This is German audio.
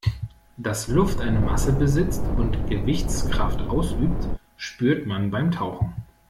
Dass Luft eine Masse besitzt und Gewichtskraft ausübt, spürt man beim Tauchen.